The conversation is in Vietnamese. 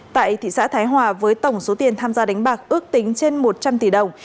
tại thị xã thái hòa với tổng số tiền tham gia đánh bạc ước tính trên một trăm linh tỷ đồng